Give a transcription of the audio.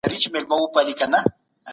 ستاسو په ذهن کي به د هر چا لپاره درناوی وي.